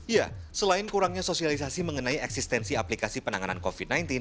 ya selain kurangnya sosialisasi mengenai eksistensi aplikasi penanganan covid sembilan belas